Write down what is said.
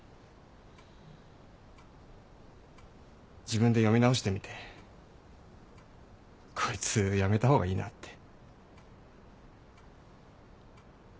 自分で読み直してみてこいつやめた方がいいなって。